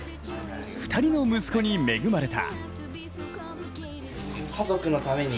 ２人の息子に恵まれた。